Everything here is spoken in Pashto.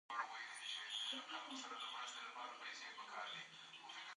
ازادي راډیو د اقتصاد پر وړاندې د حل لارې وړاندې کړي.